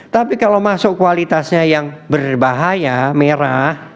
tapi kalau masuk kualitasnya yang berbahaya merah